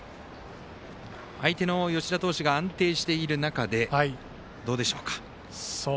相手の吉田投手が安定している中でどうでしょうか。